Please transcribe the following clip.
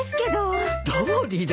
どうりで。